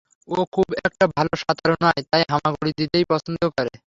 ও খুব একটা ভালো সাঁতারু নয়, তাই হামাগুড়ি দিতেই পছন্দ করে।